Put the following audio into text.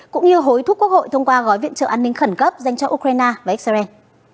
cũng như hối thúc quốc hội thông qua gói viện trợ an ninh khẩn cấp dành cho ukraine và israel